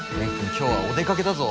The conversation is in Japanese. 今日はお出かけだぞ。